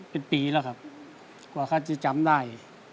เป็นปีแล้วครับกว่าเขาจะจำได้